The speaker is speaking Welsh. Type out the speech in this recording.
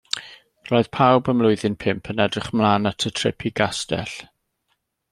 Roedd pawb ym Mlwyddyn Pump yn edrych ymlaen at y trip i gastell.